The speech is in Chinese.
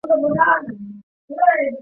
国防科技大学应用力学专业硕士毕业。